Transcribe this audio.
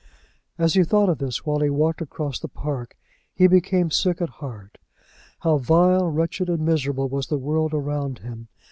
As he thought of this while he walked across the park he became sick at heart. How vile, wretched and miserable was the world around him!